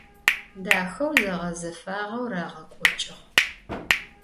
Daxeu, zeğezefağeu rağek'oç'ığ.